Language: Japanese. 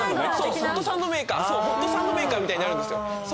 ホットサンドメーカーみたいになるんですよ。